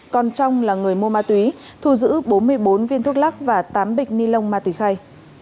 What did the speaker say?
còn trong là người mua ma túy thu giữ bốn mươi bốn viên thuốc lắc và tám bịch ni lông ma túy khay